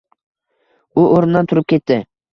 U o‘rnidan turib ketdi.